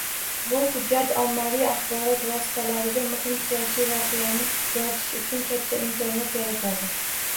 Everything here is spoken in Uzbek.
Bu hujjat ommaviy axborot vositalariga muhim siyosiy voqeani yoritish uchun katta imkoniyat yaratadi